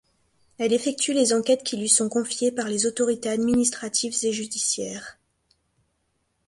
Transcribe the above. Elle effectue les enquêtes qui lui sont confiées par les autorités administratives et judiciaires.